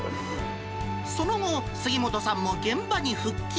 その後、杉本さんも現場に復帰。